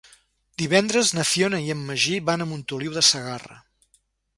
Divendres na Fiona i en Magí van a Montoliu de Segarra.